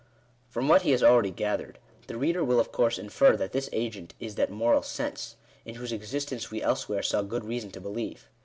From what he has already gathered, the reader will of course \ infer that this agent is that Moral Sense, in whose existence we elsewhere saw good reason to believe.